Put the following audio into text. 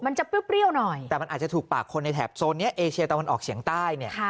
มันจะเปรี้ยวหน่อยแต่มันอาจจะถูกปากคนในแถบโซนนี้เอเชียตะวันออกเฉียงใต้เนี่ย